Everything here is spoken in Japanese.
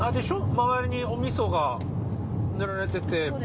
周りにおみそが塗られててそうです。